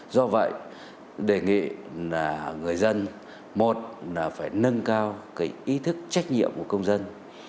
do vậy đề nghị là người dân một là phải nâng cao cái ý thức trách nhiệm của công dân